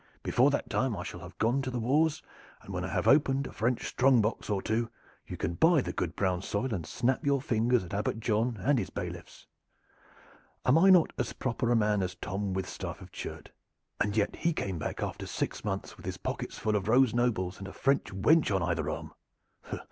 Before that time I shall have gone to the wars, and when I have opened a French strong box or two you can buy the good brown soil and snap your fingers at Abbot John and his bailiffs. Am I not as proper a man as Tom Withstaff of Churt? And yet he came back after six months with his pockets full of rose nobles and a French wench on either arm."